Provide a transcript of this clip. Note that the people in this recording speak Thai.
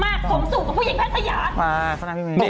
มาทำลายพี่เม้ยนะโอ้โฮเหมียบาคุณแม่